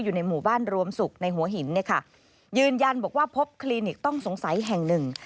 อยู่ในหมู่บ้านรวมศุกร์ในหัวหินเนี่ยค่ะยืนยันบอกว่าพบคลินิกต้องสงสัยแห่งหนึ่ง